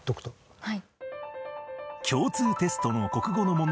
はい。